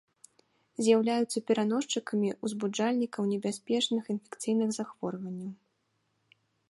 З'яўляюцца пераносчыкамі узбуджальнікаў небяспечных інфекцыйных захворванняў.